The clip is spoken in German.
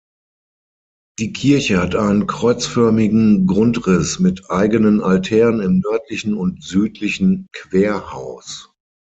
Die Kirche hat einen kreuzförmigen Grundriss mit eigenen Altären im nördlichen und südlichen Querhaus.